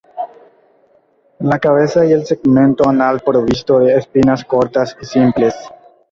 La cabeza y el segmento anal provisto de espinas cortas y simples.